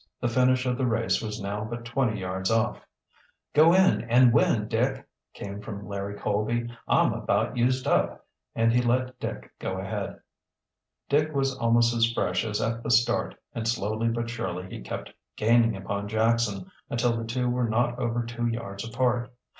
The finish of the race was now but twenty yards off. "Go in and win, Dick," came from Larry Colby. "I'm about used up," and he let Dick go ahead. Dick was almost as fresh as at the start and slowly but surely he kept gaining upon Jackson until the two were not over two yards apart.